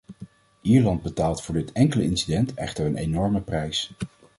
Ierland betaalt voor dit enkele incident echter een enorme prijs.